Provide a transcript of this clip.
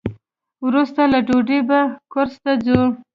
وروسته له ډوډۍ به کورس ته ځو.